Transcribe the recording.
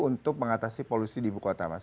untuk mengatasi polusi di ibu kota mas